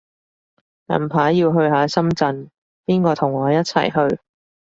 近排要去下深圳，邊個同我一齊去